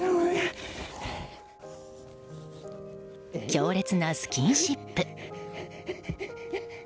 強烈なスキンシップ。